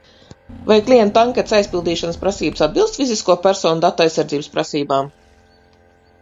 Vai klienta anketas aizpildīšanas prasības atbilst fizisko personu datu aizsardzības prasībām?